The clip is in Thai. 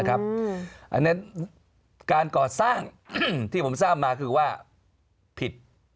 อันนั้นการก่อสร้างที่ผมทราบมาคือว่าผิด